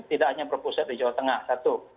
tidak hanya berpusat di jawa tengah satu